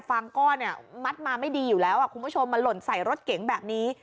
ก้อนเนี่ยมัดมาไม่ดีอยู่แล้วคุณผู้ชมมาหล่นใส่รถเก๋งแบบนี้